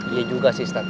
iya juga sih ustadz